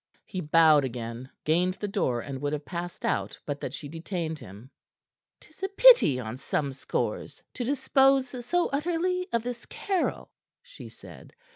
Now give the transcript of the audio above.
He bowed again; gained the door, and would have passed out but that she detained him. "'Tis a pity, on some scores, to dispose so utterly of this Caryll," she said.